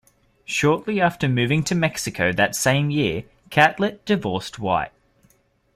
Shortly after moving to Mexico that same year, Catlett divorced White.